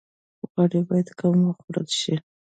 غوړي باید کم وخوړل شي